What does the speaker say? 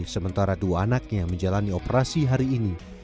sementara dua anaknya menjalani operasi hari ini